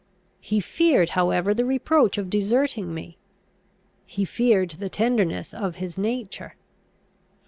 He feared however the reproach of deserting me. He feared the tenderness of his nature.